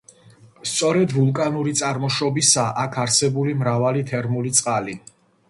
სწორედ ვულკანური წარმოშობისაა აქ არსებული მრავალი თერმული წყალი.